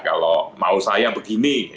kalau mau saya begini